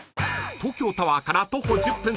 ［東京タワーから徒歩１０分］